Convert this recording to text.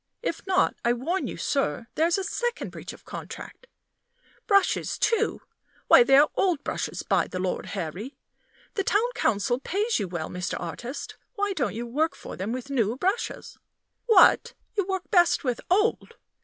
If not, I warn you, sir, there's a second breach of contract! Brushes, too? Why, they're old brushes, by the Lord Harry! The Town Council pays you well, Mr. Artist; why don't you work for them with new brushes? What? you work best with old?